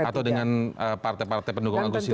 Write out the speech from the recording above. atau dengan partai partai pendukung agus sil